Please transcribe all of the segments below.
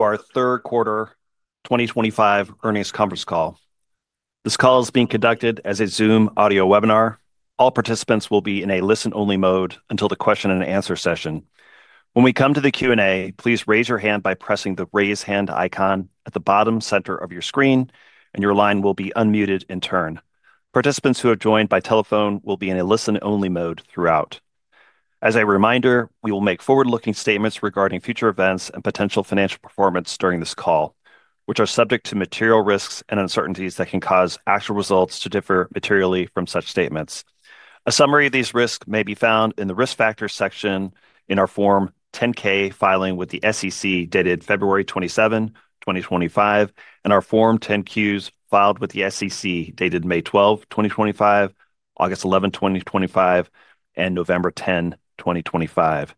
Our third quarter 2025 earnings conference call. This call is being conducted as a Zoom audio webinar. All participants will be in a listen-only mode until the question-and-answer session. When we come to the Q&A, please raise your hand by pressing the raise hand icon at the bottom center of your screen, and your line will be unmuted in turn. Participants who have joined by telephone will be in a listen-only mode throughout. As a reminder, we will make forward-looking statements regarding future events and potential financial performance during this call, which are subject to material risks and uncertainties that can cause actual results to differ materially from such statements. A summary of these risks may be found in the risk factors section in our Form 10-K filing with the SEC dated February 27th, 2025, and our Form 10-Qs filed with the SEC dated May 12th, 2025, August 11th, 2025, and November 10th, 2025.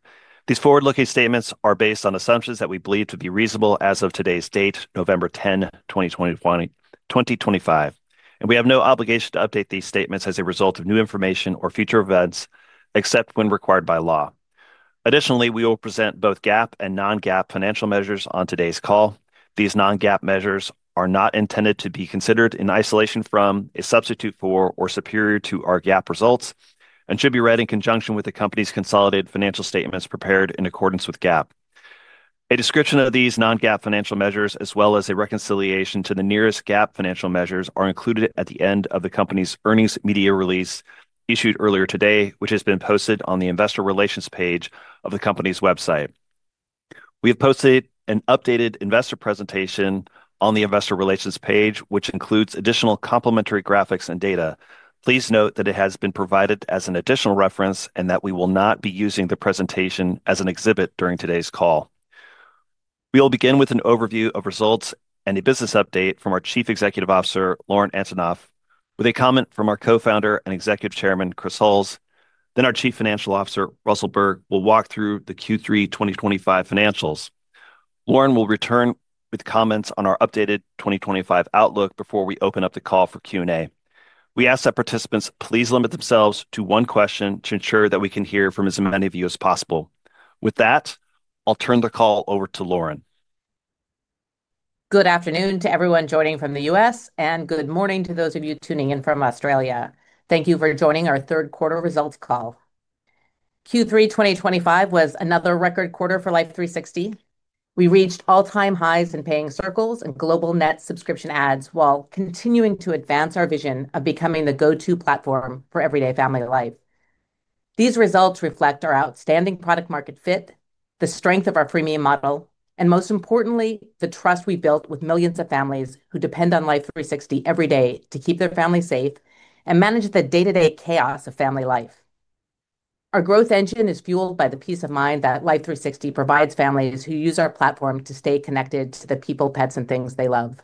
These forward-looking statements are based on assumptions that we believe to be reasonable as of today's date, November 10th, 2025, and we have no obligation to update these statements as a result of new information or future events except when required by law. Additionally, we will present both GAAP and non-GAAP financial measures on today's call. These non-GAAP measures are not intended to be considered in isolation from, a substitute for, or superior to our GAAP results, and should be read in conjunction with the company's consolidated financial statements prepared in accordance with GAAP. A description of these non-GAAP financial measures, as well as a reconciliation to the nearest GAAP financial measures, are included at the end of the company's earnings media release issued earlier today, which has been posted on the investor relations page of the company's website. We have posted an updated investor presentation on the investor relations page, which includes additional complementary graphics and data. Please note that it has been provided as an additional reference and that we will not be using the presentation as an exhibit during today's call. We will begin with an overview of results and a business update from our Chief Executive Officer, Lauren Antonoff, with a comment from our co-founder and executive chairman, Chris Hulls. Our Chief Financial Officer, Russell Burke, will walk through the Q3 2025 financials. Lauren will return with comments on our updated 2025 outlook before we open up the call for Q&A. We ask that participants please limit themselves to one question to ensure that we can hear from as many of you as possible. With that, I'll turn the call over to Lauren. Good afternoon to everyone joining from the U.S., and good morning to those of you tuning in from Australia. Thank you for joining our third quarter results call. Q3 2025 was another record quarter for Life360. We reached all-time highs in paying circles and global net subscription ads while continuing to advance our vision of becoming the go-to platform for everyday family life. These results reflect our outstanding product-market fit, the strength of our premium model, and most importantly, the trust we built with millions of families who depend on Life360 every day to keep their family safe and manage the day-to-day chaos of family life. Our growth engine is fueled by the peace of mind that Life360 provides families who use our platform to stay connected to the people, pets, and things they love.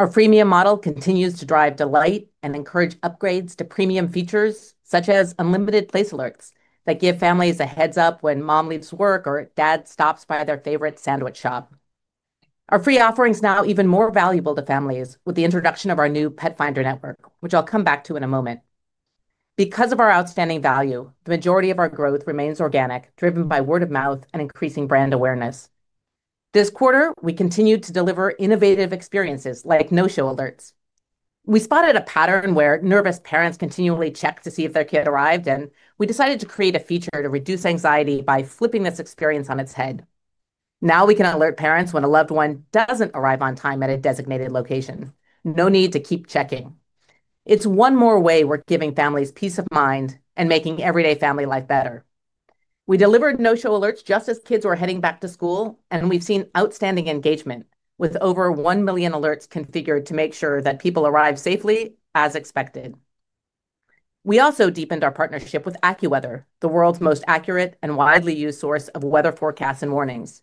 Our premium model continues to drive delight and encourage upgrades to premium features such as unlimited place alerts that give families a heads-up when mom leaves work or dad stops by their favorite sandwich shop. Our free offering is now even more valuable to families with the introduction of our new Pet Finder Network, which I'll come back to in a moment. Because of our outstanding value, the majority of our growth remains organic, driven by word of mouth and increasing brand awareness. This quarter, we continued to deliver innovative experiences like no-show alerts. We spotted a pattern where nervous parents continually checked to see if their kid arrived, and we decided to create a feature to reduce anxiety by flipping this experience on its head. Now we can alert parents when a loved one doesn't arrive on time at a designated location. No need to keep checking. It's one more way we're giving families peace of mind and making everyday family life better. We delivered no-show alerts just as kids were heading back to school, and we've seen outstanding engagement with over 1 million alerts configured to make sure that people arrive safely as expected. We also deepened our partnership with AccuWeather, the world's most accurate and widely used source of weather forecasts and warnings.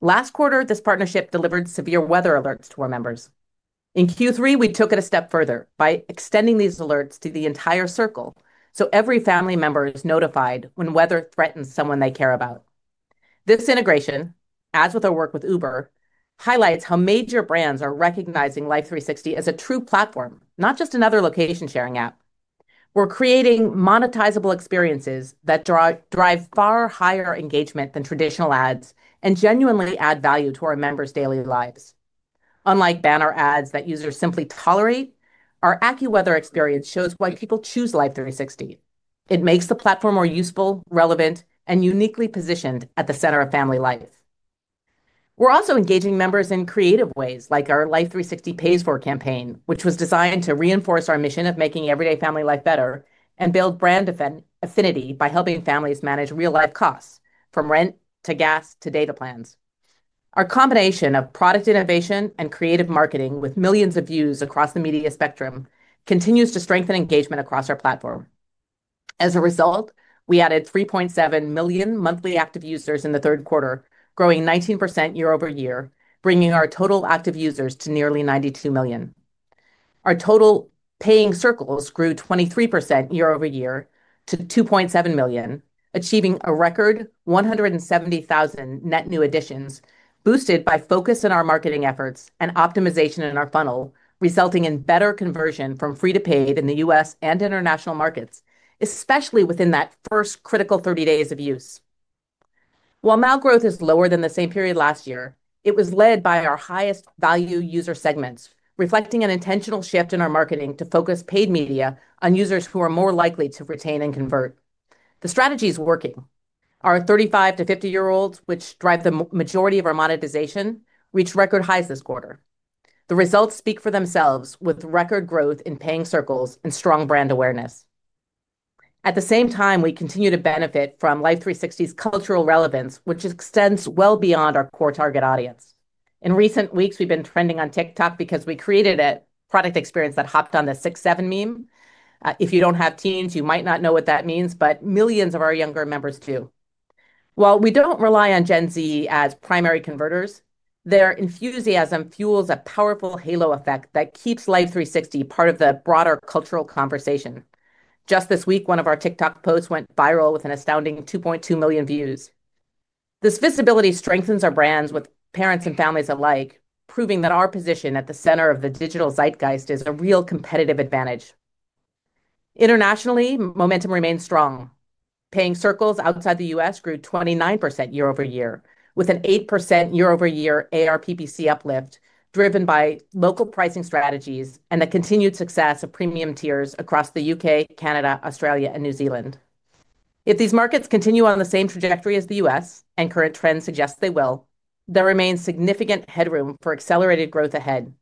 Last quarter, this partnership delivered severe weather alerts to our members. In Q3, we took it a step further by extending these alerts to the entire circle so every family member is notified when weather threatens someone they care about. This integration, as with our work with Uber, highlights how major brands are recognizing Life360 as a true platform, not just another location-sharing app. We're creating monetizable experiences that drive far higher engagement than traditional ads and genuinely add value to our members' daily lives. Unlike banner ads that users simply tolerate, our AccuWeather experience shows why people choose Life360. It makes the platform more useful, relevant, and uniquely positioned at the center of family life. We're also engaging members in creative ways, like our Life360 Pays For campaign, which was designed to reinforce our mission of making everyday family life better and build brand affinity by helping families manage real-life costs, from rent to gas to data plans. Our combination of product innovation and creative marketing with millions of views across the media spectrum continues to strengthen engagement across our platform. As a result, we added 3.7 million monthly active users in the third quarter, growing 19% year-over-year, bringing our total active users to nearly 92 million. Our total paying circles grew 23% year-over-year to $2.7 million, achieving a record 170,000 net new additions, boosted by focus on our marketing efforts and optimization in our funnel, resulting in better conversion from free to paid in the U.S. and international markets, especially within that first critical 30 days of use. While MAU growth is lower than the same period last year, it was led by our highest value user segments, reflecting an intentional shift in our marketing to focus paid media on users who are more likely to retain and convert. The strategy is working. Our 35-50 year-olds, which drive the majority of our monetization, reached record highs this quarter. The results speak for themselves with record growth in paying circles and strong brand awareness. At the same time, we continue to benefit from Life360's cultural relevance, which extends well beyond our core target audience. In recent weeks, we've been trending on TikTok because we created a product experience that hopped on the 6-7 meme. If you don't have teens, you might not know what that means, but millions of our younger members do. While we don't rely on Gen Z as primary converters, their enthusiasm fuels a powerful halo effect that keeps Life360 part of the broader cultural conversation. Just this week, one of our TikTok posts went viral with an astounding 2.2 million views. This visibility strengthens our brands with parents and families alike, proving that our position at the center of the digital zeitgeist is a real competitive advantage. Internationally, momentum remains strong. Paying circles outside the U.S. grew 29% year-over-year, with an 8% year-over-year ARPPC uplift driven by local pricing strategies and the continued success of premium tiers across the U.K., Canada, Australia, and New Zealand. If these markets continue on the same trajectory as the U.S., and current trends suggest they will, there remains significant headroom for accelerated growth ahead.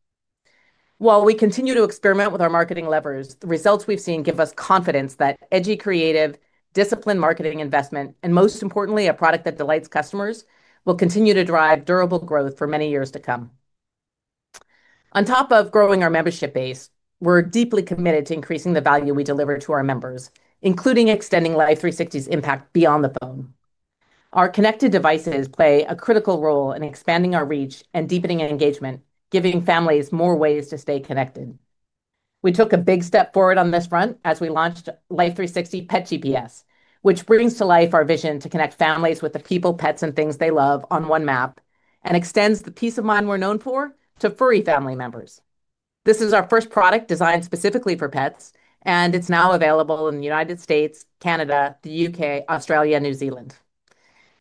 While we continue to experiment with our marketing levers, the results we've seen give us confidence that edgy, creative, disciplined marketing investment, and most importantly, a product that delights customers, will continue to drive durable growth for many years to come. On top of growing our membership base, we're deeply committed to increasing the value we deliver to our members, including extending Life360's impact beyond the phone. Our connected devices play a critical role in expanding our reach and deepening engagement, giving families more ways to stay connected. We took a big step forward on this front as we launched Life360 Pet GPS, which brings to life our vision to connect families with the people, pets, and things they love on one map and extends the peace of mind we're known for to furry family members. This is our first product designed specifically for pets, and it's now available in the United States, Canada, the U.K., Australia, and New Zealand.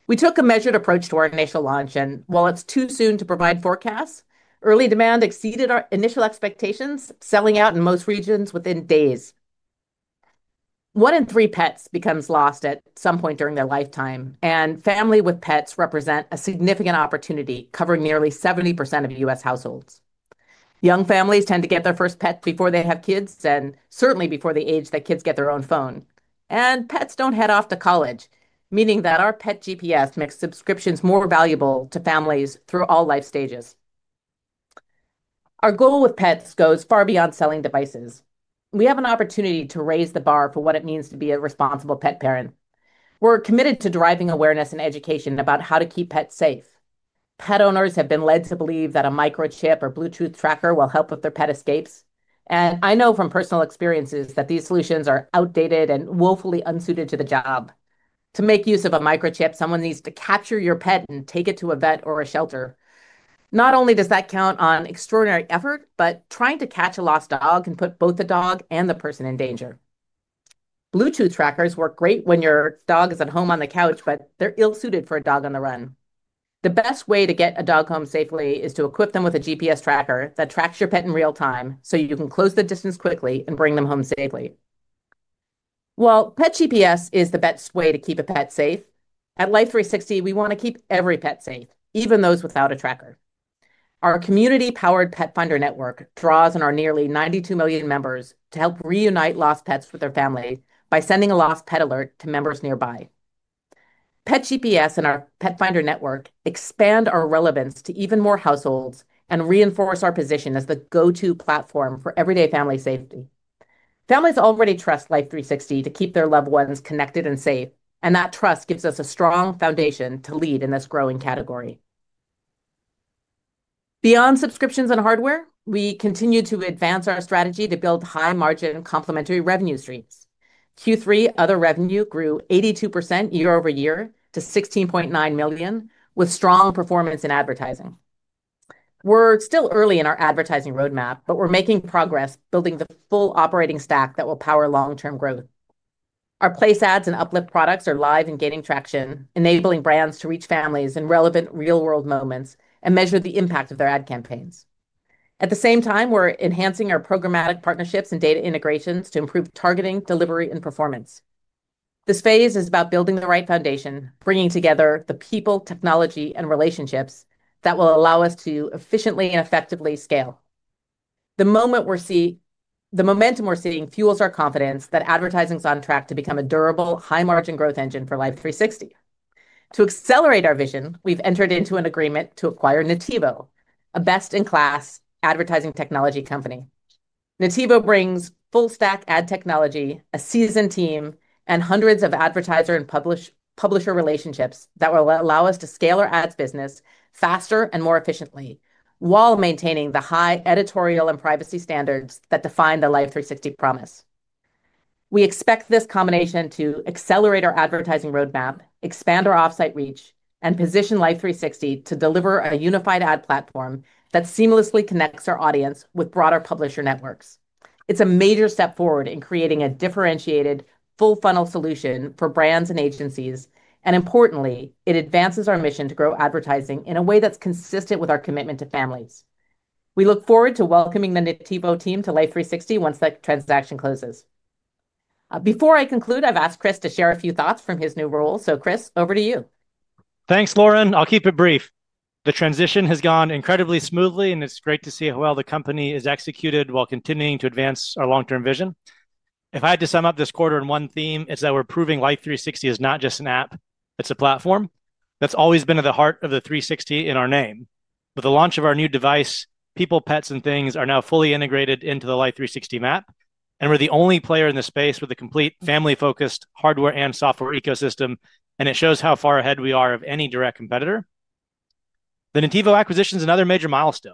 We took a measured approach to our initial launch, and while it's too soon to provide forecasts, early demand exceeded our initial expectations, selling out in most regions within days. One in three pets becomes lost at some point during their lifetime, and family with pets represents a significant opportunity covering nearly 70% of U.S. households. Young families tend to get their first pet before they have kids, and certainly before the age that kids get their own phone. Pets do not head off to college, meaning that our Pet GPS makes subscriptions more valuable to families through all life stages. Our goal with pets goes far beyond selling devices. We have an opportunity to raise the bar for what it means to be a responsible pet parent. We are committed to driving awareness and education about how to keep pets safe. Pet owners have been led to believe that a microchip or Bluetooth tracker will help with their pet escapes, and I know from personal experiences that these solutions are outdated and woefully unsuited to the job. To make use of a microchip, someone needs to capture your pet and take it to a vet or a shelter. Not only does that count on extraordinary effort, but trying to catch a lost dog can put both the dog and the person in danger. Bluetooth trackers work great when your dog is at home on the couch, but they're ill-suited for a dog on the run. The best way to get a dog home safely is to equip them with a GPS tracker that tracks your pet in real time so you can close the distance quickly and bring them home safely. While Pet GPS is the best way to keep a pet safe, at Life360, we want to keep every pet safe, even those without a tracker. Our community-powered Pet Finder Network draws on our nearly 92 million members to help reunite lost pets with their family by sending a lost pet alert to members nearby. Pet GPS and our Pet Finder Network expand our relevance to even more households and reinforce our position as the go-to platform for everyday family safety. Families already trust Life360 to keep their loved ones connected and safe, and that trust gives us a strong foundation to lead in this growing category. Beyond subscriptions and hardware, we continue to advance our strategy to build high-margin complementary revenue streams. Q3 other revenue grew 82% year-over-year to $16.9 million, with strong performance in advertising. We're still early in our advertising roadmap, but we're making progress building the full operating stack that will power long-term growth. Our place ads and uplift products are live and gaining traction, enabling brands to reach families in relevant real-world moments and measure the impact of their ad campaigns. At the same time, we're enhancing our programmatic partnerships and data integrations to improve targeting, delivery, and performance. This phase is about building the right foundation, bringing together the people, technology, and relationships that will allow us to efficiently and effectively scale. The momentum we're seeing fuels our confidence that advertising is on track to become a durable, high-margin growth engine for Life360. To accelerate our vision, we've entered into an agreement to acquire Nativo, a best-in-class advertising technology company. Nativo brings full-stack ad technology, a seasoned team, and hundreds of advertiser and publisher relationships that will allow us to scale our ads business faster and more efficiently while maintaining the high editorial and privacy standards that define the Life360 promise. We expect this combination to accelerate our advertising roadmap, expand our offsite reach, and position Life360 to deliver a unified ad platform that seamlessly connects our audience with broader publisher networks. It's a major step forward in creating a differentiated, full-funnel solution for brands and agencies, and importantly, it advances our mission to grow advertising in a way that's consistent with our commitment to families. We look forward to welcoming the Nativo team to Life360 once that transaction closes. Before I conclude, I've asked Chris to share a few thoughts from his new role. So Chris, over to you. Thanks, Lauren. I'll keep it brief. The transition has gone incredibly smoothly, and it's great to see how well the company is executed while continuing to advance our long-term vision. If I had to sum up this quarter in one theme, it's that we're proving Life360 is not just an app, it's a platform that's always been at the heart of the 360 in our name. With the launch of our new device, people, pets, and things are now fully integrated into the Life360 map, and we're the only player in the space with a complete family-focused hardware and software ecosystem, and it shows how far ahead we are of any direct competitor. The Nativo acquisition is another major milestone.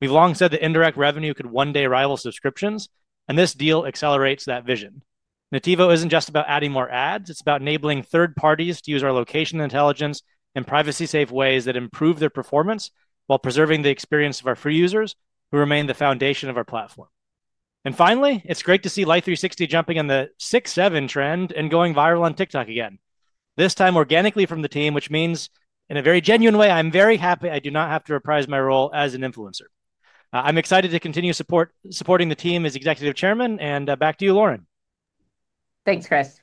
We've long said that indirect revenue could one day rival subscriptions, and this deal accelerates that vision. Nativo isn't just about adding more ads, it's about enabling third parties to use our location intelligence in privacy-safe ways that improve their performance while preserving the experience of our free users who remain the foundation of our platform. Finally, it's great to see Life360 jumping on the 6-7 trend and going viral on TikTok again, this time organically from the team, which means in a very genuine way, I'm very happy I do not have to reprise my role as an influencer. I'm excited to continue supporting the team as Executive Chairman, and back to you, Lauren. Thanks, Chris.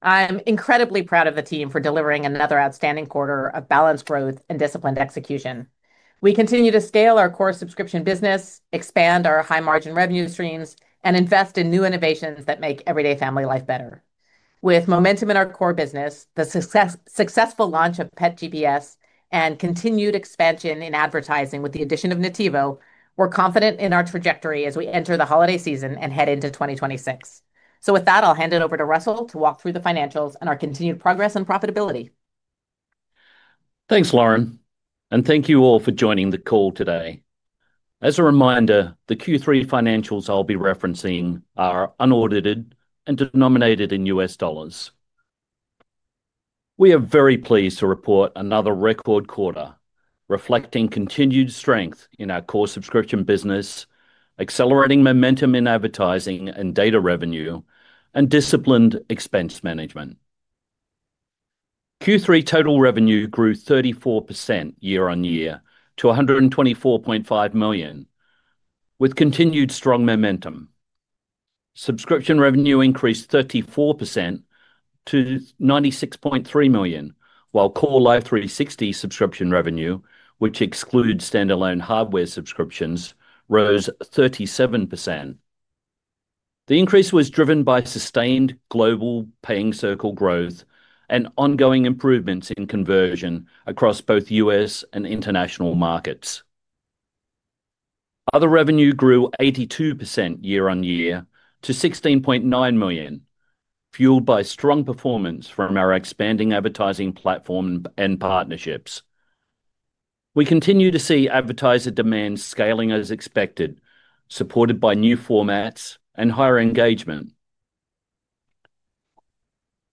I'm incredibly proud of the team for delivering another outstanding quarter of balanced growth and disciplined execution. We continue to scale our core subscription business, expand our high-margin revenue streams, and invest in new innovations that make everyday family life better. With momentum in our core business, the successful launch of Pet GPS, and continued expansion in advertising with the addition of Nativo, we're confident in our trajectory as we enter the holiday season and head into 2026. With that, I'll hand it over to Russell to walk through the financials and our continued progress and profitability. Thanks, Lauren, and thank you all for joining the call today. As a reminder, the Q3 financials I'll be referencing are unaudited and denominated in U.S. dollars. We are very pleased to report another record quarter reflecting continued strength in our core subscription business, accelerating momentum in advertising and data revenue, and disciplined expense management. Q3 total revenue grew 34% year-on-year to $124.5 million, with continued strong momentum. Subscription revenue increased 34% to $96.3 million, while core Life360 subscription revenue, which excludes standalone hardware subscriptions, rose 37%. The increase was driven by sustained global paying circle growth and ongoing improvements in conversion across both U.S. and international markets. Other revenue grew 82% year-on-year to $16.9 million, fueled by strong performance from our expanding advertising platform and partnerships. We continue to see advertiser demand scaling as expected, supported by new formats and higher engagement.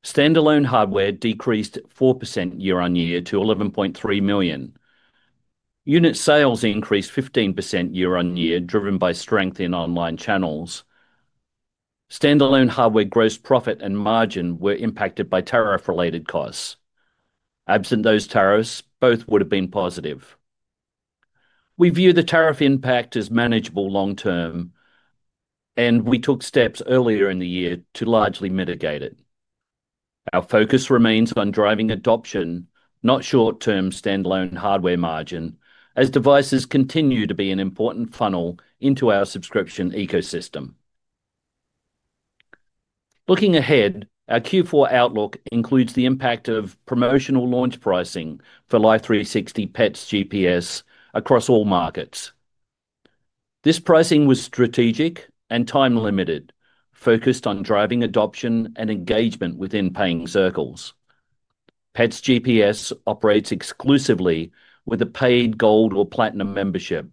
Standalone hardware decreased 4% year-on-year to $11.3 million. Unit sales increased 15% year-on-year, driven by strength in online channels. Standalone hardware gross profit and margin were impacted by tariff-related costs. Absent those tariffs, both would have been positive. We view the tariff impact as manageable long-term, and we took steps earlier in the year to largely mitigate it. Our focus remains on driving adoption, not short-term standalone hardware margin, as devices continue to be an important funnel into our subscription ecosystem. Looking ahead, our Q4 outlook includes the impact of promotional launch pricing for Life360 Pet GPS across all markets. This pricing was strategic and time-limited, focused on driving adoption and engagement within paying circles. Pets GPS operates exclusively with a paid Gold or Platinum membership,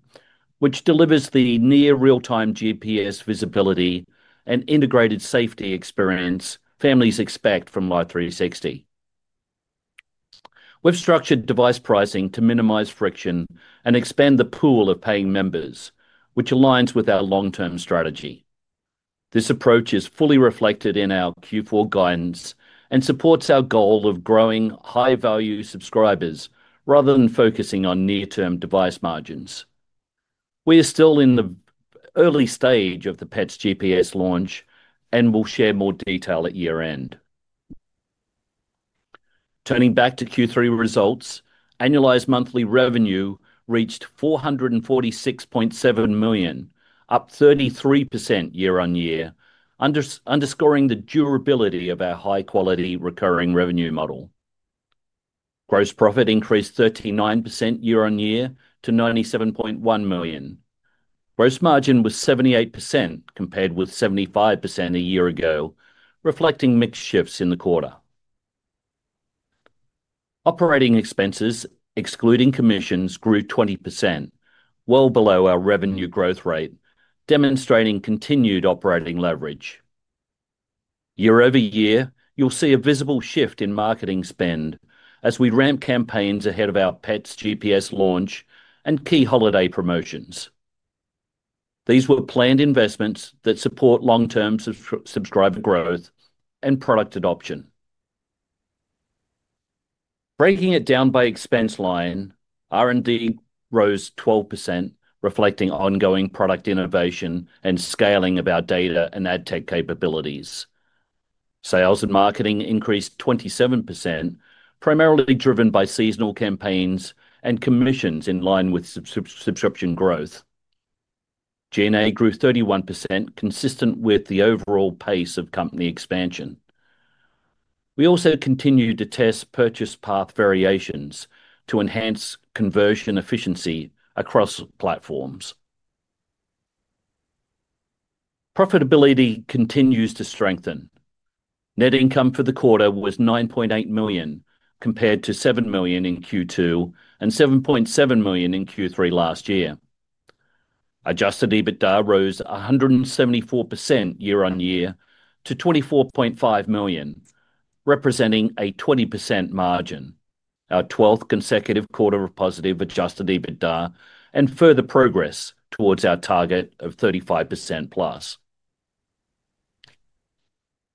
which delivers the near-real-time GPS visibility and integrated safety experience families expect from Life360. We've structured device pricing to minimize friction and expand the pool of paying members, which aligns with our long-term strategy. This approach is fully reflected in our Q4 guidance and supports our goal of growing high-value subscribers rather than focusing on near-term device margins. We are still in the early stage of the Pets GPS launch and will share more detail at year-end. Turning back to Q3 results, annualized monthly revenue reached $446.7 million, up 33% year-on-year, underscoring the durability of our high-quality recurring revenue model. Gross profit increased 39% year-on-year to $97.1 million. Gross margin was 78% compared with 75% a year ago, reflecting mix shifts in the quarter. Operating expenses, excluding commissions, grew 20%, well below our revenue growth rate, demonstrating continued operating leverage. Year-over-year, you'll see a visible shift in marketing spend as we ramp campaigns ahead of our Pet GPS launch and key holiday promotions. These were planned investments that support long-term subscriber growth and product adoption. Breaking it down by expense line, R&D rose 12%, reflecting ongoing product innovation and scaling of our data and ad tech capabilities. Sales and marketing increased 27%, primarily driven by seasonal campaigns and commissions in line with subscription growth. G&A grew 31%, consistent with the overall pace of company expansion. We also continue to test purchase path variations to enhance conversion efficiency across platforms. Profitability continues to strengthen. Net income for the quarter was $9.8 million compared to $7 million in Q2 and $7.7 million in Q3 last year. Adjusted EBITDA rose 174% year-on-year to $24.5 million, representing a 20% margin, our 12th consecutive quarter of positive adjusted EBITDA and further progress towards our target of 35% plus.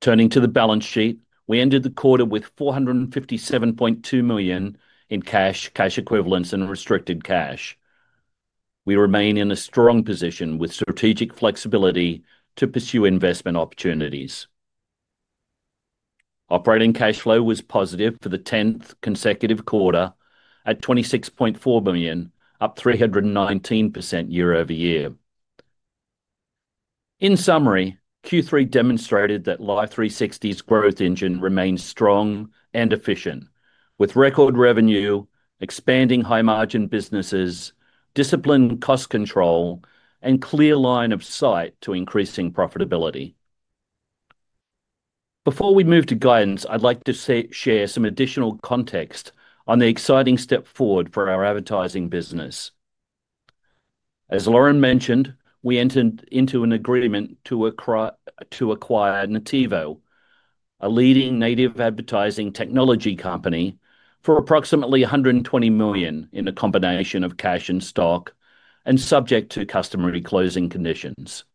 Turning to the balance sheet, we ended the quarter with $457.2 million in cash, cash equivalents, and restricted cash. We remain in a strong position with strategic flexibility to pursue investment opportunities. Operating cash flow was positive for the 10th consecutive quarter at $26.4 million, up 319% year-over-year. In summary, Q3 demonstrated that Life360's growth engine remains strong and efficient, with record revenue, expanding high-margin businesses, disciplined cost control, and clear line of sight to increasing profitability. Before we move to guidance, I'd like to share some additional context on the exciting step forward for our advertising business. As Lauren mentioned, we entered into an agreement to acquire Nativo, a leading native advertising technology company, for approximately $120 million in a combination of cash and stock and subject to customary closing conditions.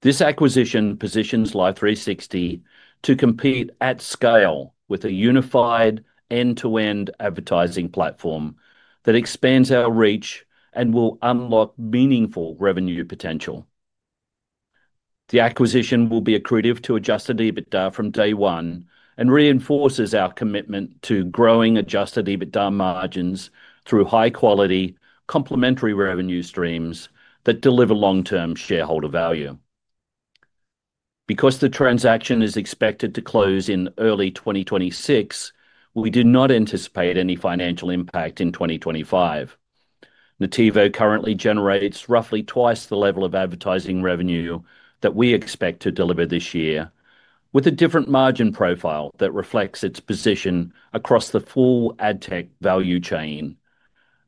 This acquisition positions Life360 to compete at scale with a unified end-to-end advertising platform that expands our reach and will unlock meaningful revenue potential. The acquisition will be accretive to adjusted EBITDA from day one and reinforces our commitment to growing adjusted EBITDA margins through high-quality complementary revenue streams that deliver long-term shareholder value. Because the transaction is expected to close in early 2026, we do not anticipate any financial impact in 2025. Nativo currently generates roughly twice the level of advertising revenue that we expect to deliver this year, with a different margin profile that reflects its position across the full ad tech value chain,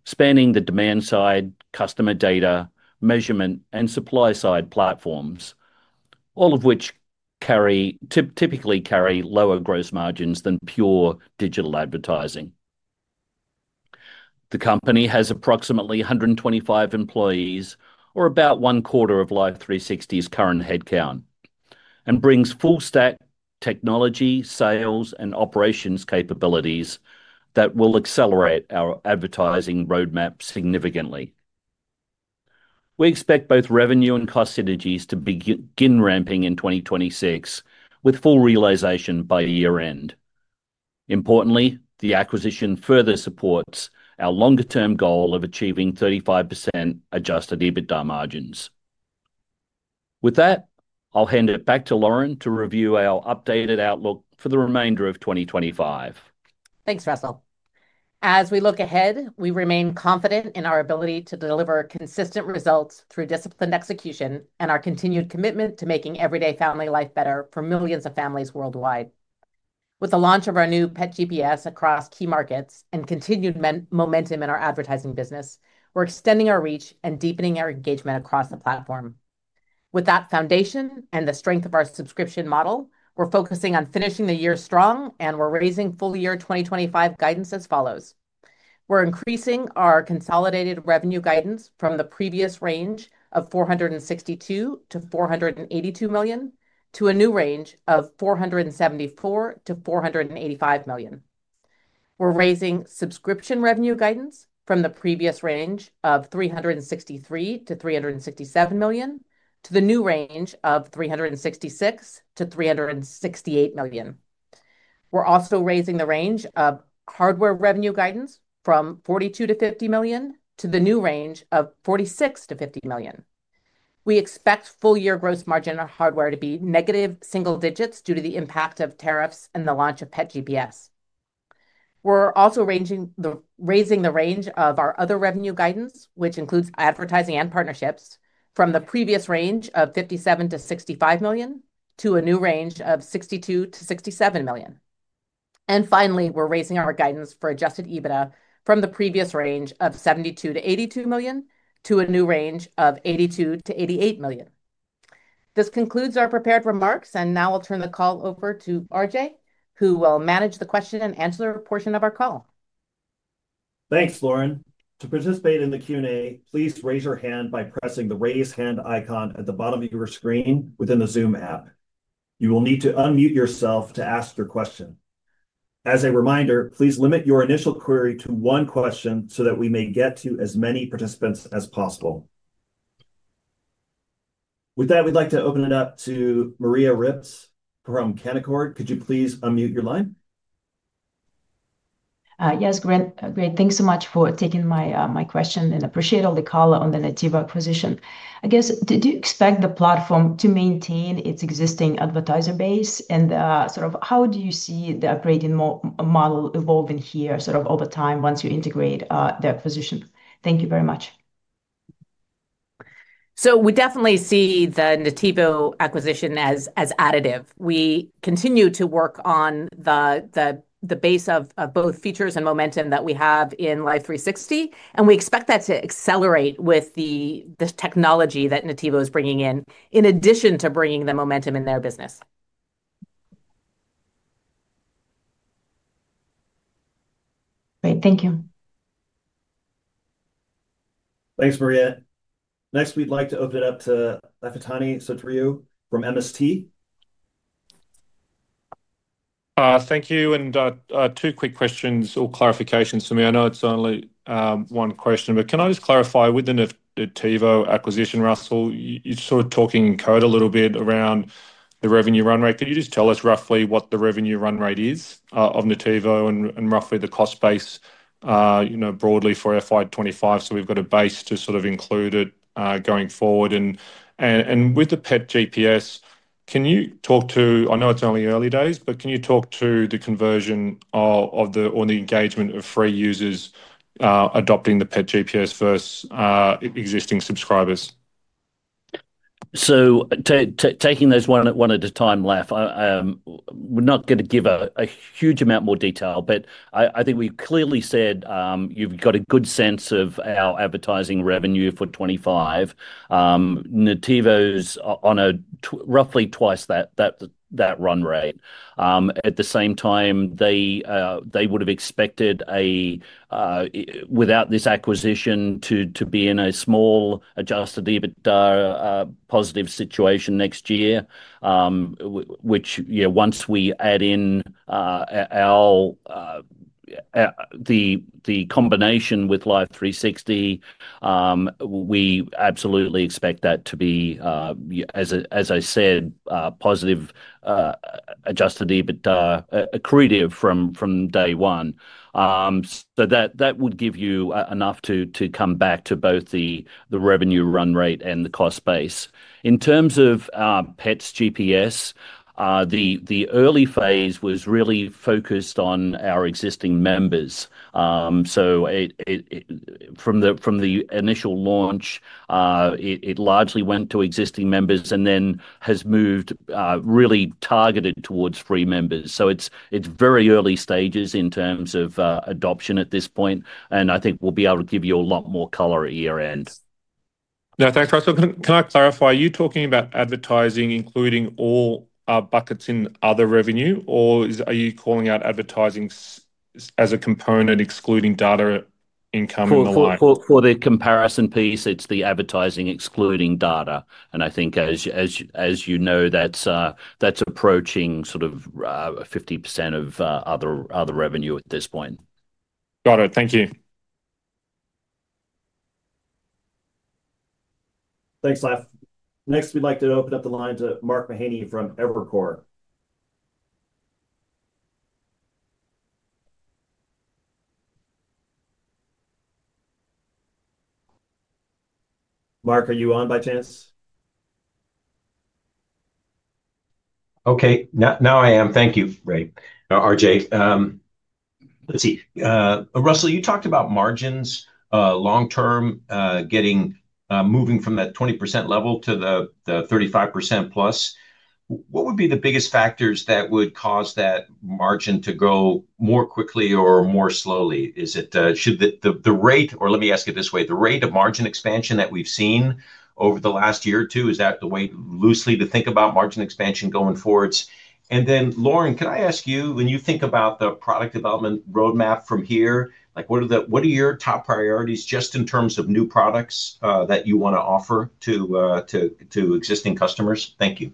spanning the demand side, customer data, measurement, and supply side platforms, all of which typically carry lower gross margins than pure digital advertising. The company has approximately 125 employees, or about one quarter of Life360's current headcount, and brings full-stack technology, sales, and operations capabilities that will accelerate our advertising roadmap significantly. We expect both revenue and cost synergies to begin ramping in 2026, with full realization by year-end. Importantly, the acquisition further supports our longer-term goal of achieving 35% adjusted EBITDA margins. With that, I'll hand it back to Lauren to review our updated outlook for the remainder of 2025. Thanks, Russell. As we look ahead, we remain confident in our ability to deliver consistent results through disciplined execution and our continued commitment to making everyday family life better for millions of families worldwide. With the launch of our new Pet GPS across key markets and continued momentum in our advertising business, we're extending our reach and deepening our engagement across the platform. With that foundation and the strength of our subscription model, we're focusing on finishing the year strong, and we're raising full-year 2025 guidance as follows. We're increasing our consolidated revenue guidance from the previous range of $462 million-$482 million to a new range of $474 million-$485 million. We're raising subscription revenue guidance from the previous range of $363 million-$367 million to the new range of $366 million-$368 million. We're also raising the range of hardware revenue guidance from $42 million-$50 million to the new range of $46 million-$50 million. We expect full-year gross margin on hardware to be negative single digits due to the impact of tariffs and the launch of Pet GPS. We're also raising the range of our other revenue guidance, which includes advertising and partnerships, from the previous range of $57 million-$65 million to a new range of $62 million-$67 million. Finally, we're raising our guidance for adjusted EBITDA from the previous range of $72 million-$82 million to a new range of $82 million-$88 million. This concludes our prepared remarks, and now I'll turn the call over to RJ, who will manage the question-and-answer portion of our call. Thanks, Lauren. To participate in the Q&A, please raise your hand by pressing the raise hand icon at the bottom of your screen within the Zoom app. You will need to unmute yourself to ask your question. As a reminder, please limit your initial query to one question so that we may get to as many participants as possible. With that, we'd like to open it up to Maria Ripps from Canaccord. Could you please unmute your line? Yes, Ray, thanks so much for taking my question and appreciate all the call on the Nativo acquisition. I guess, did you expect the platform to maintain its existing advertiser base? And sort of how do you see the upgrading model evolving here sort of over time once you integrate the acquisition? Thank you very much. We definitely see the Nativo acquisition as additive. We continue to work on the base of both features and momentum that we have in Life360, and we expect that to accelerate with the technology that Nativo is bringing in, in addition to bringing the momentum in their business. Great, thank you. Thanks, Maria. Next, we'd like to open it up to Lafitani Sotiriou from MST. Thank you. And two quick questions or clarifications for me. I know it's only one question, but can I just clarify within the Nativo acquisition, Russell, you're sort of talking in code a little bit around the revenue run rate. Could you just tell us roughly what the revenue run rate is of Nativo and roughly the cost base, you know, broadly for FY 2025? So we've got a base to sort of include it going forward. With the Pet GPS, can you talk to, I know it's only early days, but can you talk to the conversion or the engagement of free users adopting the Pet GPS versus existing subscribers? Taking those one at a time, we're not going to give a huge amount more detail, but I think we clearly said you've got a good sense of our advertising revenue for 2025. Nativo's on a roughly twice that run rate. At the same time, they would have expected without this acquisition to be in a small adjusted EBITDA positive situation next year, which, yeah, once we add in the combination with Life360, we absolutely expect that to be, as I said, positive adjusted EBITDA accretive from day one. That would give you enough to come back to both the revenue run rate and the cost base. In terms of Pet GPS, the early phase was really focused on our existing members. From the initial launch, it largely went to existing members and then has moved really targeted towards free members. It is very early stages in terms of adoption at this point, and I think we will be able to give you a lot more color at year-end. Now, thanks, Russell. Can I clarify? Are you talking about advertising including all buckets in other revenue, or are you calling out advertising as a component excluding data income and all that? For the comparison piece, it is the advertising excluding data. I think, as you know, that is approaching sort of 50% of other revenue at this point. Got it. Thank you. Thanks, Laf. Next, we would like to open up the line to Mark Mahaney from Evercore. Mark, are you on by chance? Okay, now I am. Thank you, Ray, R.J. Let's see. Russell, you talked about margins long-term moving from that 20% level to the 35%+. What would be the biggest factors that would cause that margin to go more quickly or more slowly? Is it the rate, or let me ask it this way, the rate of margin expansion that we've seen over the last year or two? Is that the way loosely to think about margin expansion going forward? Lauren, could I ask you, when you think about the product development roadmap from here, what are your top priorities just in terms of new products that you want to offer to existing customers? Thank you.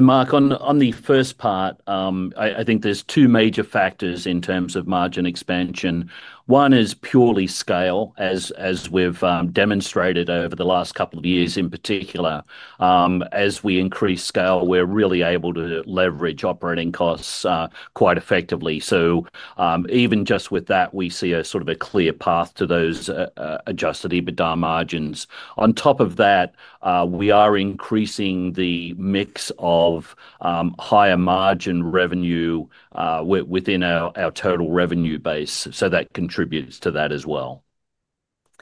Mark, on the first part, I think there's two major factors in terms of margin expansion. One is purely scale, as we've demonstrated over the last couple of years in particular. As we increase scale, we're really able to leverage operating costs quite effectively. Even just with that, we see a sort of a clear path to those adjusted EBITDA margins. On top of that, we are increasing the mix of higher margin revenue within our total revenue base. That contributes to that as well.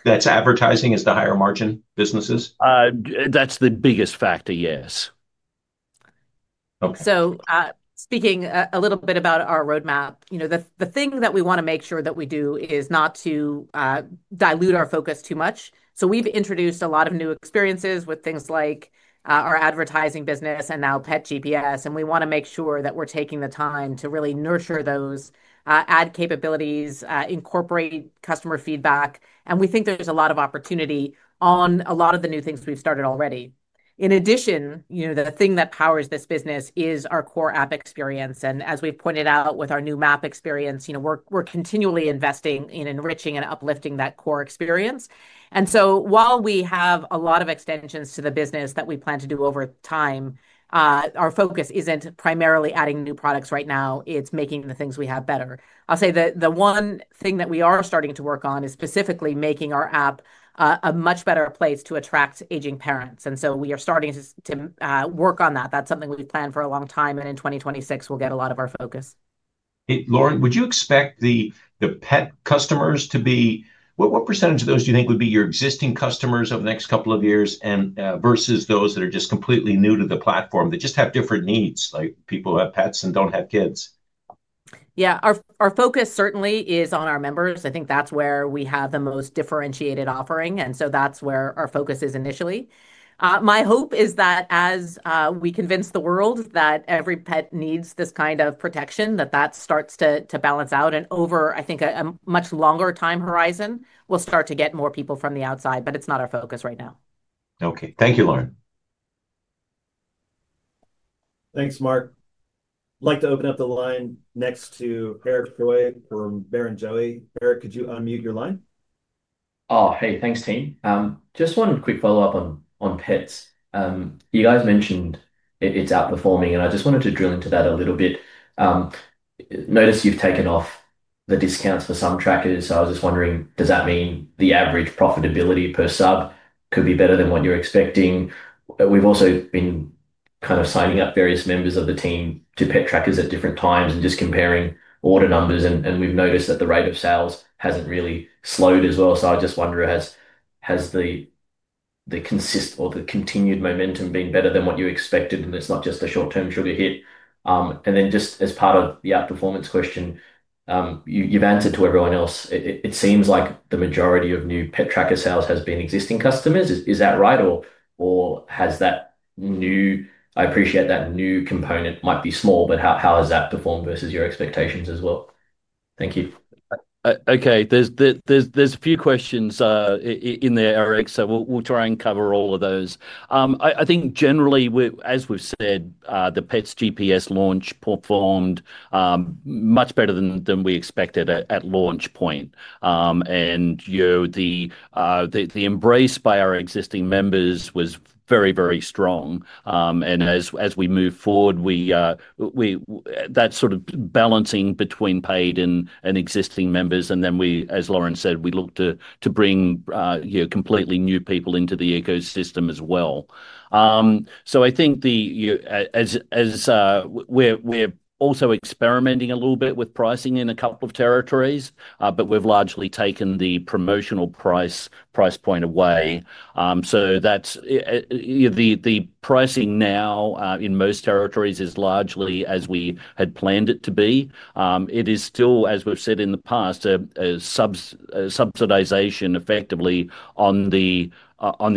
That's advertising as the higher margin businesses? That's the biggest factor, yes. So, speaking a little bit about our roadmap, the thing that we want to make sure that we do is not to dilute our focus too much. We've introduced a lot of new experiences with things like our advertising business and now Pet GPS, and we want to make sure that we're taking the time to really nurture those ad capabilities, incorporate customer feedback, and we think there's a lot of opportunity on a lot of the new things we've started already. In addition, the thing that powers this business is our core app experience. As we've pointed out with our new map experience, we're continually investing in enriching and uplifting that core experience. While we have a lot of extensions to the business that we plan to do over time, our focus isn't primarily adding new products right now. It's making the things we have better. I'll say the one thing that we are starting to work on is specifically making our app a much better place to attract aging parents. We are starting to work on that. That is something we have planned for a long time, and in 2026, it will get a lot of our focus. Lauren, would you expect the pet customers to be what percentage of those do you think would be your existing customers over the next couple of years versus those that are just completely new to the platform that just have different needs, like people who have pets and do not have kids? Yeah, our focus certainly is on our members. I think that is where we have the most differentiated offering, and that is where our focus is initially. My hope is that as we convince the world that every pet needs this kind of protection, that that starts to balance out over, I think, a much longer time horizon, we'll start to get more people from the outside, but it's not our focus right now. Okay, thank you, Lauren. Thanks, Mark. I'd like to open up the line next to Eric Choi from Barrenjoey. Eric, could you unmute your line? Oh, hey, thanks, team. Just one quick follow-up on pets. You guys mentioned it's outperforming, and I just wanted to drill into that a little bit. Notice you've taken off the discounts for some trackers, so I was just wondering, does that mean the average profitability per sub could be better than what you're expecting? We've also been kind of signing up various members of the team to pet trackers at different times and just comparing order numbers, and we've noticed that the rate of sales hasn't really slowed as well. I just wonder, has the continued momentum been better than what you expected, and it's not just a short-term sugar hit? And then just as part of the outperformance question, you've answered to everyone else. It seems like the majority of new pet tracker sales has been existing customers. Is that right, or has that new—I appreciate that new component might be small, but how has that performed versus your expectations as well? Thank you. Okay, there's a few questions in there, Eric, so we'll try and cover all of those. I think generally, as we've said, the Pet GPS launch performed much better than we expected at launch point. And the embrace by our existing members was very, very strong. As we move forward, that sort of balancing between paid and existing members, and then we, as Lauren said, we look to bring completely new people into the ecosystem as well. I think we're also experimenting a little bit with pricing in a couple of territories, but we've largely taken the promotional price point away. The pricing now in most territories is largely as we had planned it to be. It is still, as we've said in the past, a subsidization effectively on the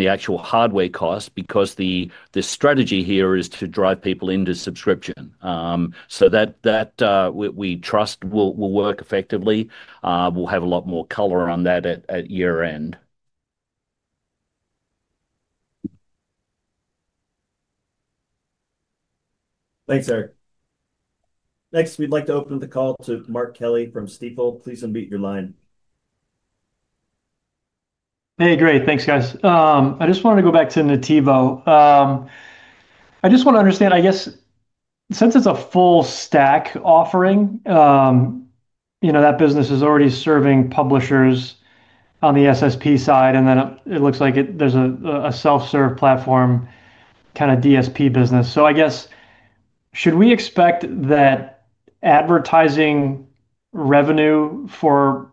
actual hardware cost because the strategy here is to drive people into subscription. That we trust will work effectively. We'll have a lot more color on that at year-end. Thanks, Eric. Next, we'd like to open the call to Mark Kelley from Stifel. Please unmute your line. Hey, great. Thanks, guys. I just wanted to go back to Nativo. I just want to understand, I guess, since it's a full-stack offering, that business is already serving publishers on the SSP side, and then it looks like there's a self-serve platform kind of DSP business. I guess, should we expect that advertising revenue for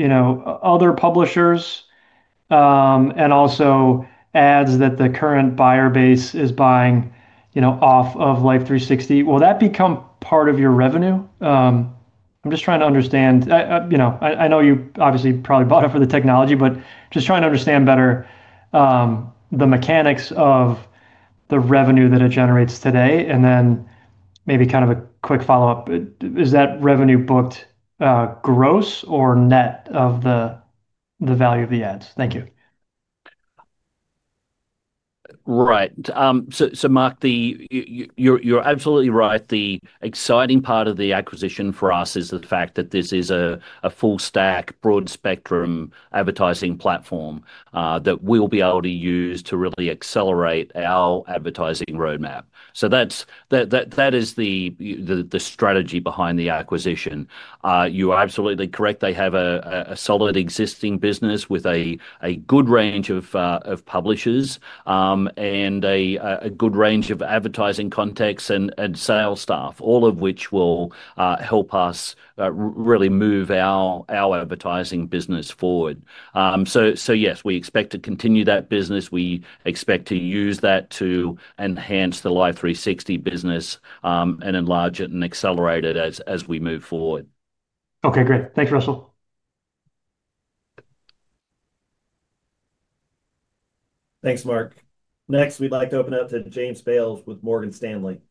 other publishers and also ads that the current buyer base is buying off of Life360, will that become part of your revenue? I'm just trying to understand. I know you obviously probably bought it for the technology, but just trying to understand better the mechanics of the revenue that it generates today. Maybe kind of a quick follow-up. Is that revenue booked gross or net of the value of the ads? Thank you. Right. Mark, you're absolutely right. The exciting part of the acquisition for us is the fact that this is a full-stack, broad-spectrum advertising platform that we'll be able to use to really accelerate our advertising roadmap. That is the strategy behind the acquisition. You're absolutely correct. They have a solid existing business with a good range of publishers and a good range of advertising contexts and sales staff, all of which will help us really move our advertising business forward. Yes, we expect to continue that business. We expect to use that to enhance the Life360 business and enlarge it and accelerate it as we move forward. Okay, great. Thanks, Russell. Thanks, Mark. Next, we'd like to open up to James Bales with Morgan Stanley.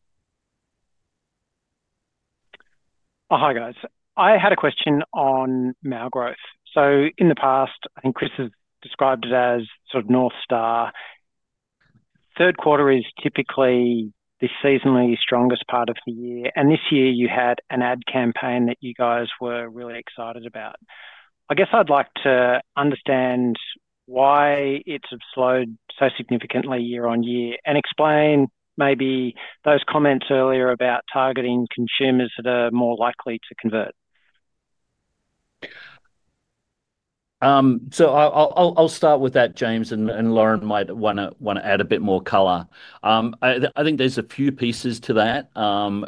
Hi, guys. I had a question on MAU growth. In the past, I think Chris has described it as sort of North Star. Third quarter is typically the seasonally strongest part of the year. This year, you had an ad campaign that you guys were really excited about. I guess I'd like to understand why it slowed so significantly year on year and explain maybe those comments earlier about targeting consumers that are more likely to convert. I'll start with that, James, and Lauren might want to add a bit more color. I think there's a few pieces to that.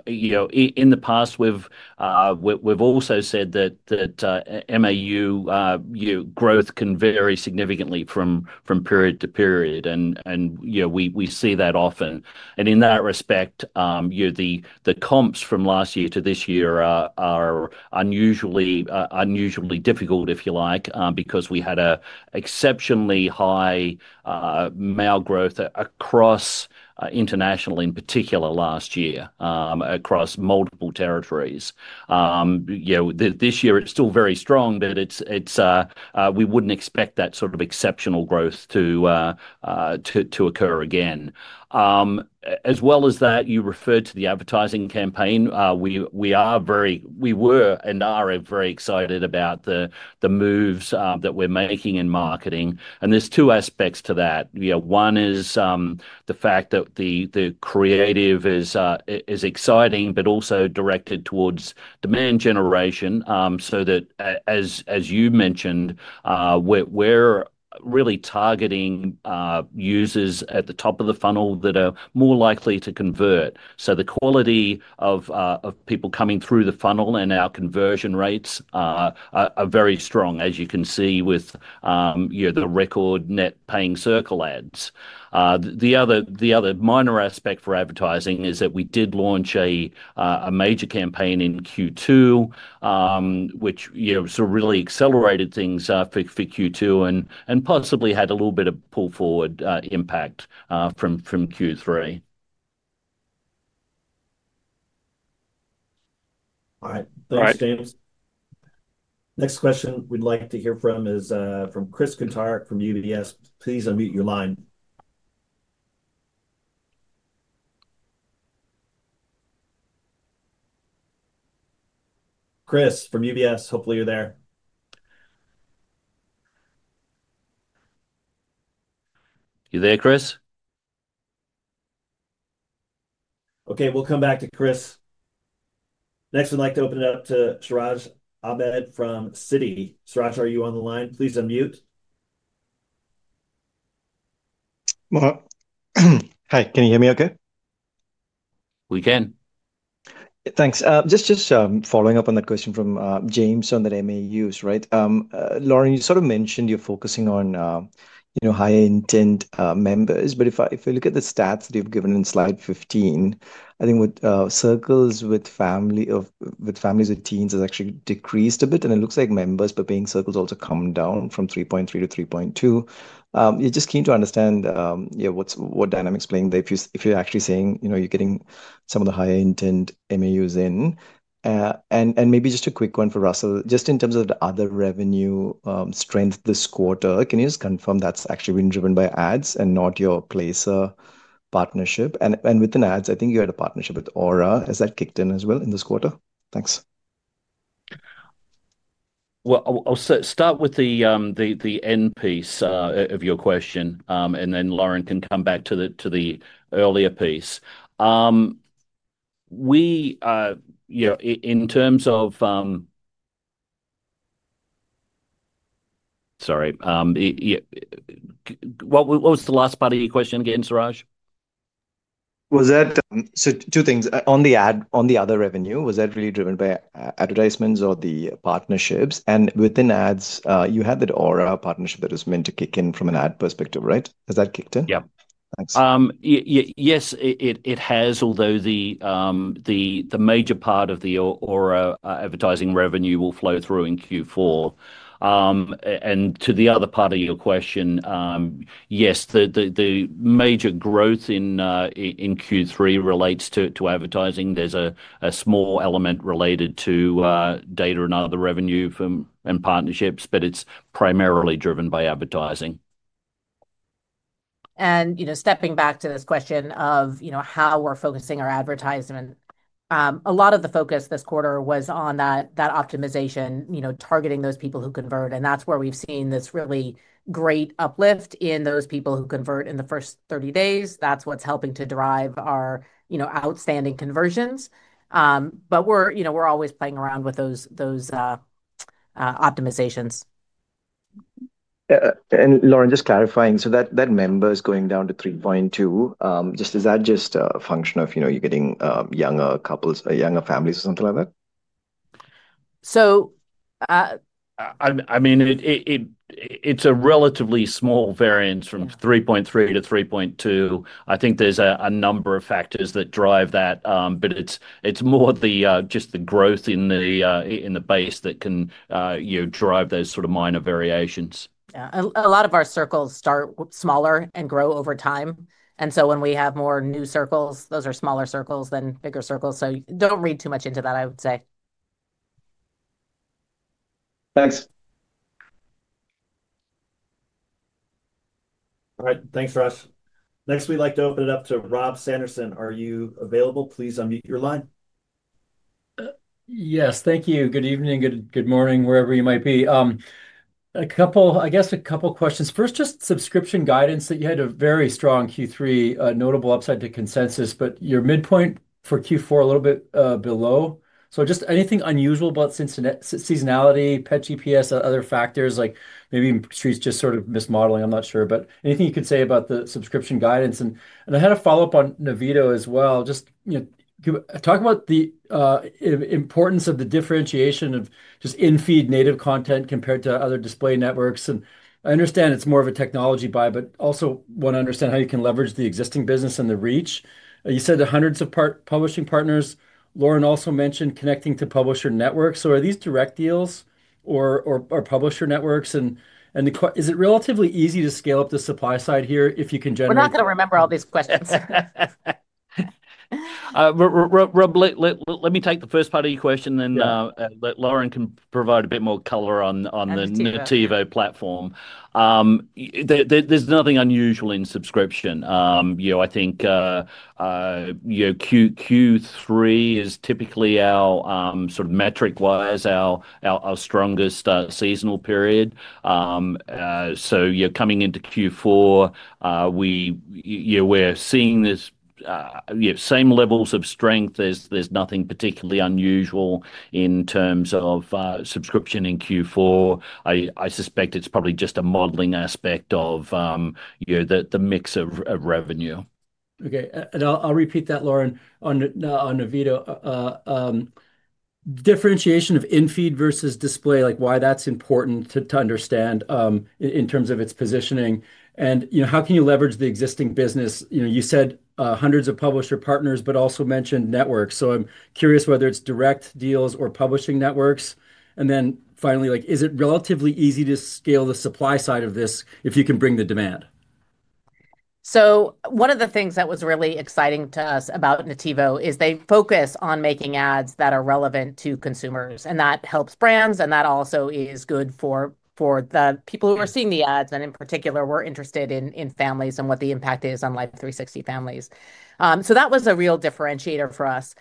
In the past, we've also said that MAU growth can vary significantly from period to period, and we see that often. In that respect, the comps from last year to this year are unusually difficult, if you like, because we had an exceptionally high MAU growth across international, in particular, last year across multiple territories. This year, it's still very strong, but we wouldn't expect that sort of exceptional growth to occur again. As well as that, you referred to the advertising campaign. We were and are very excited about the moves that we're making in marketing. There are two aspects to that. One is the fact that the creative is exciting, but also directed towards demand generation. That means, as you mentioned, we're really targeting users at the top of the funnel that are more likely to convert. The quality of people coming through the funnel and our conversion rates are very strong, as you can see with the record net paying circle ads. The other minor aspect for advertising is that we did launch a major campaign in Q2, which really accelerated things for Q2 and possibly had a little bit of pull-forward impact from Q3. All right. Thanks, James. Next question we'd like to hear from is from Chris Kuntarich from UBS. Please unmute your line. Chris from UBS, hopefully you're there. You there, Chris? Okay, we'll come back to Chris. Next, we'd like to open it up to Siraj Ahmed from Citi. Siraj, are you on the line? Please unmute. Hi, can you hear me okay? We can. Thanks. Just following up on the question from James on that MAUs, right? Lauren, you sort of mentioned you're focusing on higher intent members, but if we look at the stats that you've given in slide 15, I think with circles with families with teens has actually decreased a bit, and it looks like members but paying circles also come down from 3.3-3.2. It's just keen to understand what dynamics playing there if you're actually saying you're getting some of the higher intent MAUs in. Maybe just a quick one for Russell, just in terms of the other revenue strength this quarter, can you just confirm that's actually been driven by ads and not your Placer.ai partnership? Within ads, I think you had a partnership with Aura. Has that kicked in as well in this quarter? Thanks. I'll start with the end piece of your question, and then Lauren can come back to the earlier piece. In terms of—sorry. What was the last part of your question again, Siraj? Two things. On the other revenue, was that really driven by advertisements or the partnerships? Within ads, you had that Aura partnership that was meant to kick in from an ad perspective, right? Has that kicked in? Yep. Yes, it has, although the major part of the Aura advertising revenue will flow through in Q4. To the other part of your question, yes, the major growth in Q3 relates to advertising. There is a small element related to data and other revenue and partnerships, but it is primarily driven by advertising. Stepping back to this question of how we are focusing our advertisement, a lot of the focus this quarter was on that optimization, targeting those people who convert. That is where we have seen this really great uplift in those people who convert in the first 30 days. That is what is helping to drive our outstanding conversions. We are always playing around with those optimizations. Lauren, just clarifying, so that member is going down to 3.2. Is that just a function of you getting younger couples, younger families, or something like that? I mean, it is a relatively small variance from 3.3-3.2. I think there's a number of factors that drive that, but it's more just the growth in the base that can drive those sort of minor variations. Yeah. A lot of our circles start smaller and grow over time. And so when we have more new circles, those are smaller circles than bigger circles. So don't read too much into that, I would say. Thanks. All right. Thanks, Siraj. Next, we'd like to open it up to Rob Sanderson. Are you available? Please unmute your line. Yes. Thank you. Good evening. Good morning, wherever you might be. I guess a couple of questions. First, just subscription guidance that you had a very strong Q3, notable upside to consensus, but your midpoint for Q4 a little bit below. So just anything unusual about seasonality, Pet GPS, other factors, like maybe trees just sort of mismodeling? I'm not sure, but anything you could say about the subscription guidance? I had a follow-up on Nativo as well. Just talk about the importance of the differentiation of just in-feed native content compared to other display networks. I understand it's more of a technology buy, but also want to understand how you can leverage the existing business and the reach. You said hundreds of publishing partners. Lauren also mentioned connecting to publisher networks. Are these direct deals or publisher networks? Is it relatively easy to scale up the supply side here if you can generate? We're not going to remember all these questions. Let me take the first part of your question, and then Lauren can provide a bit more color on the Nativo platform. There's nothing unusual in subscription. I think Q3 is typically our sort of metric-wise our strongest seasonal period. Coming into Q4, we're seeing the same levels of strength. There's nothing particularly unusual in terms of subscription in Q4. I suspect it's probably just a modeling aspect of the mix of revenue. Okay. I'll repeat that, Lauren, on Nativo. Differentiation of in-feed versus display, why that's important to understand in terms of its positioning. How can you leverage the existing business? You said hundreds of publisher partners, but also mentioned networks. I'm curious whether it's direct deals or publishing networks. Finally, is it relatively easy to scale the supply side of this if you can bring the demand? One of the things that was really exciting to us about Nativo is they focus on making ads that are relevant to consumers, and that helps brands, and that also is good for the people who are seeing the ads. In particular, we're interested in families and what the impact is on Life360 families. That was a real differentiator for us.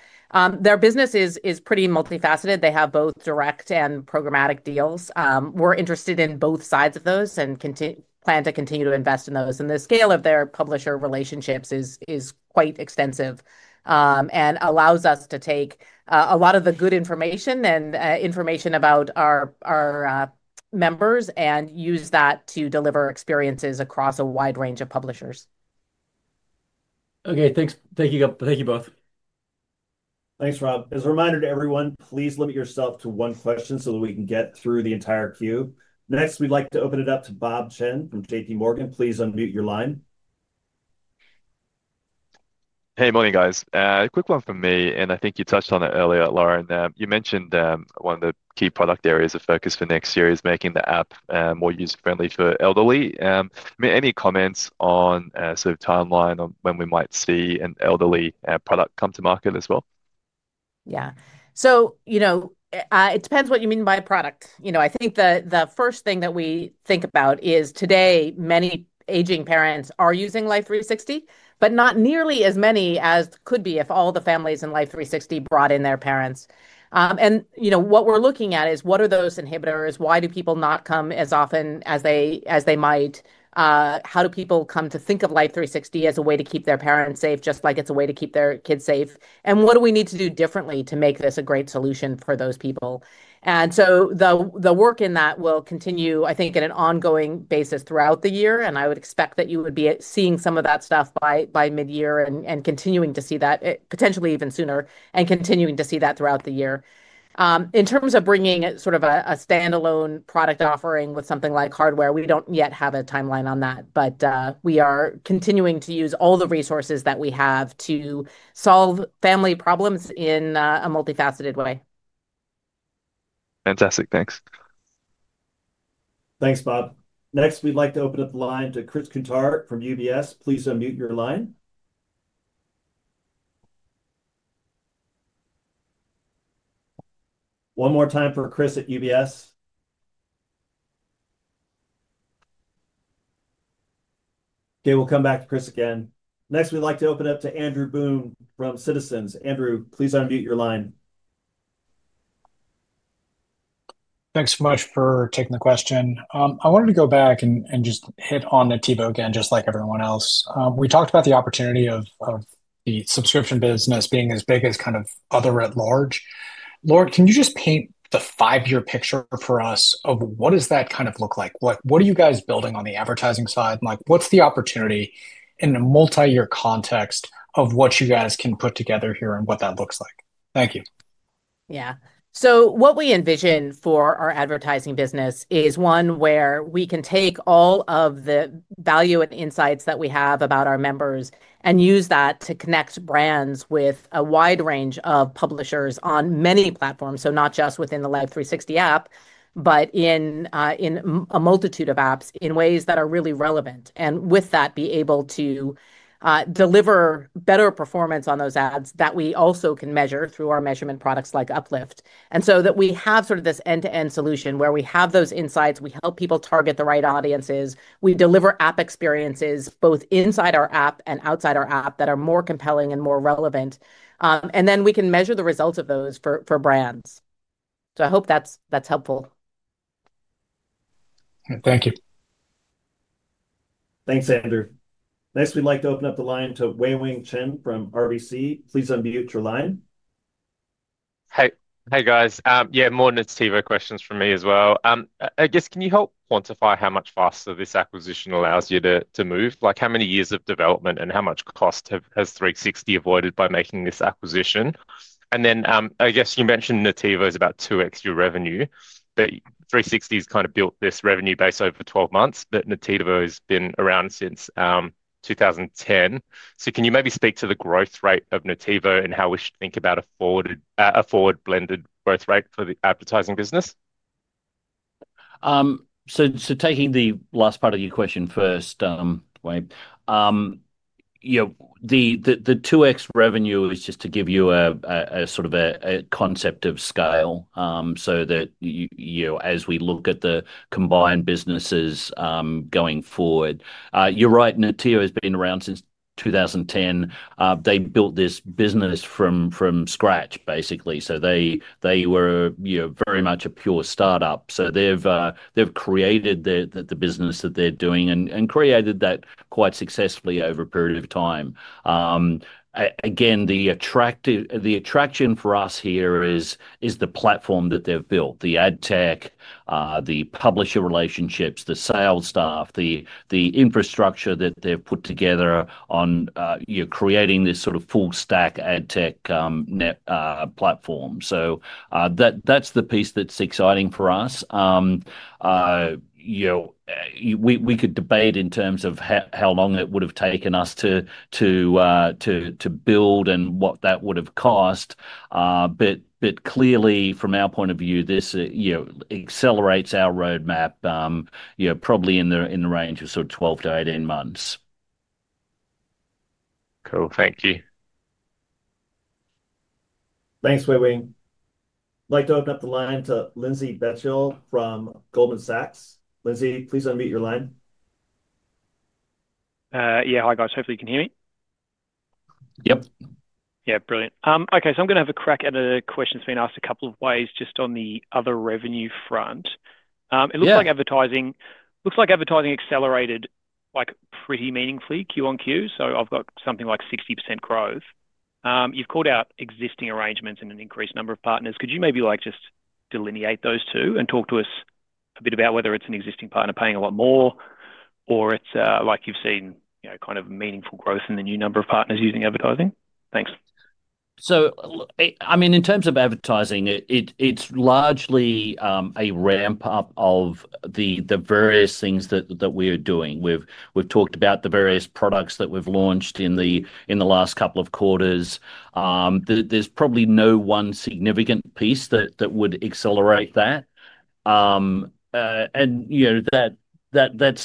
Their business is pretty multifaceted. They have both direct and programmatic deals. We're interested in both sides of those and plan to continue to invest in those. The scale of their publisher relationships is quite extensive and allows us to take a lot of the good information and information about our members and use that to deliver experiences across a wide range of publishers. Okay. Thank you both. Thanks, Rob. As a reminder to everyone, please limit yourself to one question so that we can get through the entire queue. Next, we'd like to open it up to Bob Chen from JPMorgan. Please unmute your line. Hey, morning, guys. Quick one for me, and I think you touched on it earlier, Lauren. You mentioned one of the key product areas of focus for next year is making the app more user-friendly for elderly. Any comments on sort of timeline on when we might see an elderly product come to market as well? Yeah. It depends what you mean by product. I think the first thing that we think about is today, many aging parents are using Life360, but not nearly as many as could be if all the families in Life360 brought in their parents. What we're looking at is what are those inhibitors? Why do people not come as often as they might? How do people come to think of Life360 as a way to keep their parents safe, just like it's a way to keep their kids safe? What do we need to do differently to make this a great solution for those people? The work in that will continue, I think, on an ongoing basis throughout the year. I would expect that you would be seeing some of that stuff by midyear and continuing to see that, potentially even sooner, and continuing to see that throughout the year. In terms of bringing sort of a standalone product offering with something like hardware, we do not yet have a timeline on that, but we are continuing to use all the resources that we have to solve family problems in a multifaceted way. Fantastic. Thanks. Thanks, Bob. Next, we'd like to open up the line to Chris Kuntarich from UBS. Please unmute your line. One more time for Chris at UBS. Okay. We'll come back to Chris again. Next, we'd like to open up to Andrew Boone from Citizens. Andrew, please unmute your line. Thanks so much for taking the question. I wanted to go back and just hit on Nativo again, just like everyone else. We talked about the opportunity of the subscription business being as big as kind of other at large. Lauren, can you just paint the five-year picture for us of what does that kind of look like? What are you guys building on the advertising side? What's the opportunity in a multi-year context of what you guys can put together here and what that looks like? Thank you. Yeah. So what we envision for our advertising business is one where we can take all of the value and insights that we have about our members and use that to connect brands with a wide range of publishers on many platforms. Not just within the Life360 app, but in a multitude of apps in ways that are really relevant. With that, be able to deliver better performance on those ads that we also can measure through our measurement products like Uplift. That way we have sort of this end-to-end solution where we have those insights, we help people target the right audiences, we deliver app experiences both inside our app and outside our app that are more compelling and more relevant. Then we can measure the results of those for brands. I hope that's helpful. Thank you. Thanks, Andrew. Next, we'd like to open up the line to Wei-Weng Chen from RBC. Please unmute your line. Hey, guys. Yeah, more Nativo questions for me as well. I guess, can you help quantify how much faster this acquisition allows you to move? How many years of development and how much cost has Life360 avoided by making this acquisition? I guess you mentioned Nativo is about 2x your revenue, but Life360 has kind of built this revenue base over 12 months, but Nativo has been around since 2010. Can you maybe speak to the growth rate of Nativo and how we should think about a forward-blended growth rate for the advertising business? Taking the last part of your question first, Wei, the 2x revenue is just to give you a sort of a concept of scale so that as we look at the combined businesses going forward. You're right, Nativo has been around since 2010. They built this business from scratch, basically. They were very much a pure startup. They've created the business that they're doing and created that quite successfully over a period of time. Again, the attraction for us here is the platform that they've built, the ad tech, the publisher relationships, the sales staff, the infrastructure that they've put together on creating this sort of full-stack ad tech platform. That's the piece that's exciting for us. We could debate in terms of how long it would have taken us to build and what that would have cost. Clearly, from our point of view, this accelerates our roadmap, probably in the range of 12-18 months. Cool. Thank you. Thanks, Wei-Weng. I'd like to open up the line to Lindsay Bettiol from Goldman Sachs. Lindsay, please unmute your line. Yeah. Hi, guys. Hopefully, you can hear me. Yep. Yeah. Brilliant. Okay. I'm going to have a crack at a question that's been asked a couple of ways just on the other revenue front. It looks like advertising accelerated pretty meaningfully QoQ. So I've got something like 60% growth. You've called out existing arrangements and an increased number of partners. Could you maybe just delineate those two and talk to us a bit about whether it's an existing partner paying a lot more, or it's like you've seen kind of meaningful growth in the new number of partners using advertising? Thanks. I mean, in terms of advertising, it's largely a ramp-up of the various things that we're doing. We've talked about the various products that we've launched in the last couple of quarters. There's probably no one significant piece that would accelerate that. That's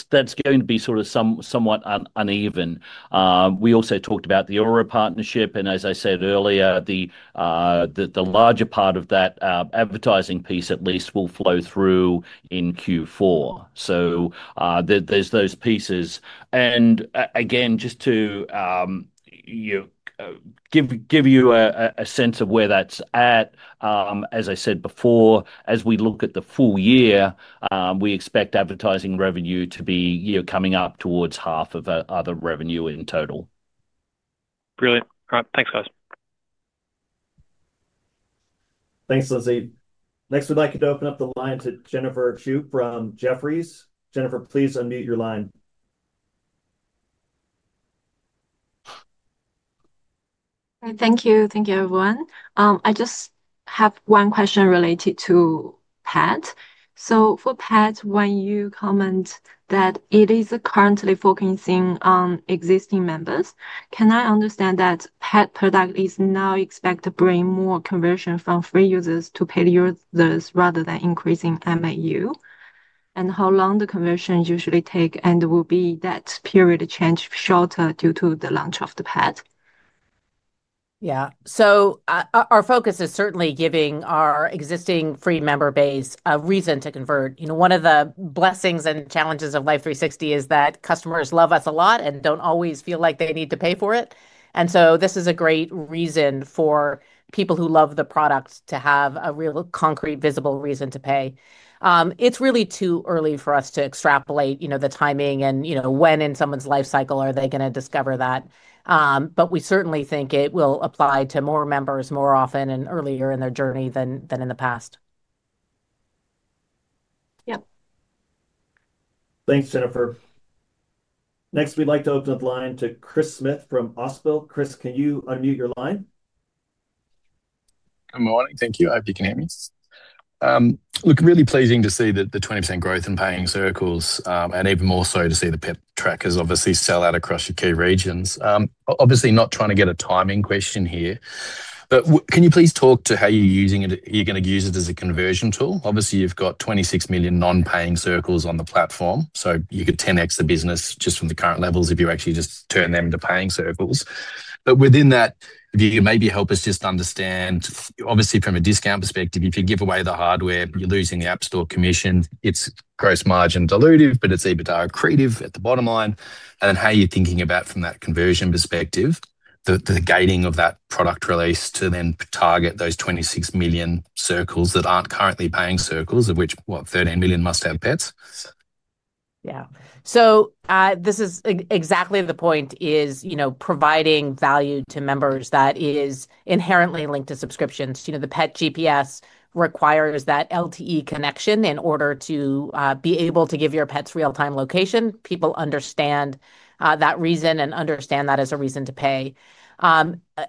going to be sort of somewhat uneven. We also talked about the Aura partnership. As I said earlier, the larger part of that advertising piece, at least, will flow through in Q4. There's those pieces. Again, just to give you a sense of where that's at, as I said before, as we look at the full year, we expect advertising revenue to be coming up towards half of other revenue in total. Brilliant. All right. Thanks, guys. Thanks, Lindsay. Next, we'd like you to open up the line to Jennifer Xu from Jefferies. Jennifer, please unmute your line. Thank you. Thank you, everyone. I just have one question related to pet. For pet, when you comment that it is currently focusing on existing members, can I understand that pet product is now expected to bring more conversion from free users to paid users rather than increasing MAU? How long does the conversion usually take and will that period of change be shorter due to the launch of the pet? Yeah. Our focus is certainly giving our existing free member base a reason to convert. One of the blessings and challenges of Life360 is that customers love us a lot and do not always feel like they need to pay for it. This is a great reason for people who love the product to have a real concrete visible reason to pay. It is really too early for us to extrapolate the timing and when in someone's life cycle are they going to discover that. We certainly think it will apply to more members more often and earlier in their journey than in the past. Yeah. Thanks, Jennifer. Next, we would like to open up the line to Chris Smith from Ausbil. Chris, can you unmute your line? Good morning. Thank you. I hope you can hear me. Look, really pleasing to see that the 20% growth in paying circles and even more so to see the Pet trackers obviously sell out across your key regions. Obviously, not trying to get a timing question here, but can you please talk to how you're going to use it as a conversion tool? Obviously, you've got 26 million non-paying circles on the platform. You could 10x the business just from the current levels if you actually just turn them into paying circles. Within that, if you can maybe help us just understand, obviously, from a discount perspective, if you give away the hardware, you're losing the App Store commission. It's gross margin dilutive, but it's even dilutive at the bottom line. How are you thinking about from that conversion perspective, the gating of that product release to then target those 26 million circles that aren't currently paying circles, of which, what, 13 million must have pets? Yeah. This is exactly the point, providing value to members that is inherently linked to subscriptions. The Pet GPS requires that LTE connection in order to be able to give your pets real-time location. People understand that reason and understand that as a reason to pay.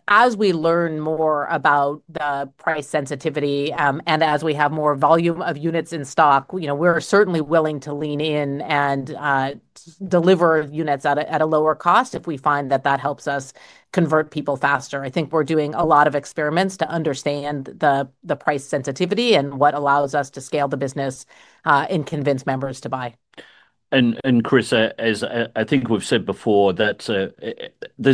As we learn more about the price sensitivity and as we have more volume of units in stock, we're certainly willing to lean in and deliver units at a lower cost if we find that that helps us convert people faster. I think we're doing a lot of experiments to understand the price sensitivity and what allows us to scale the business and convince members to buy. And Chris, as I think we've said before, there's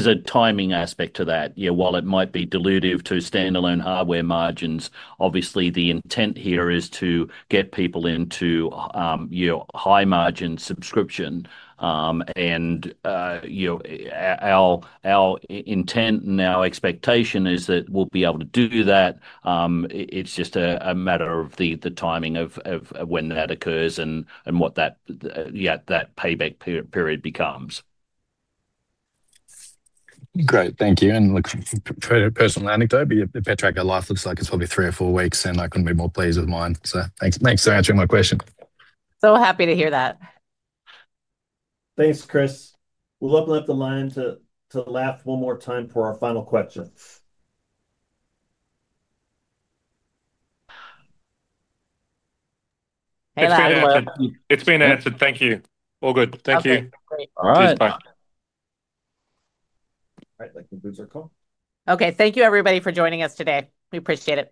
a timing aspect to that. While it might be dilutive to standalone hardware margins, obviously, the intent here is to get people into high-margin subscription. And our intent and our expectation is that we'll be able to do that. It's just a matter of the timing of when that occurs and what that payback period becomes. Great. Thank you. And personal anecdote, the Pet tracker life looks like it's probably three or four weeks, and I couldn't be more pleased with mine. So thanks for answering my question. So happy to hear that. Thanks, Chris. We'll open up the line to Laf one more time for our final question. Hey, guys. It's been answered. Thank you. All good. Thank you. All right. Thanks. Bye. All right. Let's conclude our call. Okay. Thank you, everybody, for joining us today. We appreciate it.